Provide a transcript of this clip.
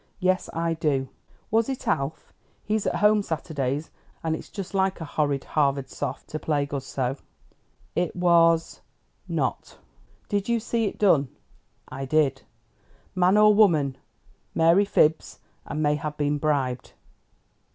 "Yes, I do." "Was it Alf? He's at home Saturdays, and it's just like a horrid Harvard Soph to plague us so." "It was not." "Did you see it done?" "I did." "Man, or woman? Mary fibs, and may have been bribed."